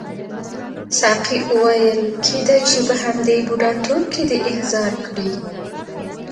ساقي وویل کیدای شي په همدې بوډاتوب کې دې احضار کړي.